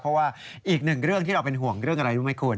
เพราะว่าอีกหนึ่งเรื่องที่เราเป็นห่วงเรื่องอะไรรู้ไหมคุณ